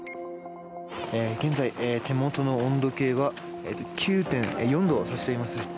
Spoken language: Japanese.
現在、手元の温度計は９．４度をさしています。